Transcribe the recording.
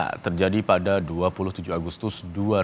vina terjadi pada dua puluh tujuh agustus dua ribu enam belas